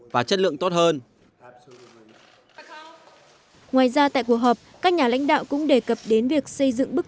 và chất lượng tốt hơn ngoài ra tại cuộc họp các nhà lãnh đạo cũng đề cập đến việc xây dựng bước